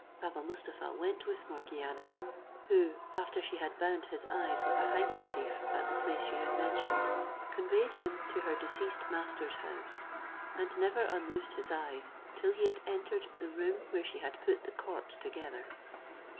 Baba Mustapha went with Morgiana, who, after she had bound his eyes with a handkerchief at the place she had mentioned, conveyed him to her deceased master's house, and never unloosed his eyes till he had entered the room where she had put the corpse together.